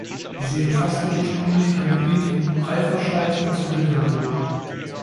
Sie umfasste ursprünglich ein Gebiet um Reifferscheid und Wildenburg.